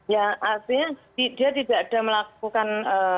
ya artinya dia tidak ada melakukan